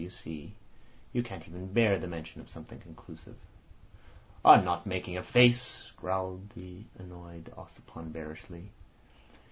You see, you can't even bear the mention of something conclusive." "I am not making a face," growled the annoyed Ossipon bearishly.